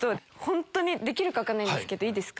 できるか分かんないんですけどいいですか。